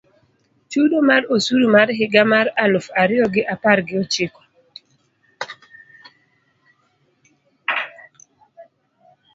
Chudo mar osuru mar higa mar eluf ario gi apar gi ochiko